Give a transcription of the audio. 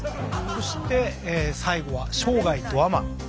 そして最後は生涯ドアマン。